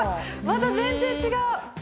また全然違う！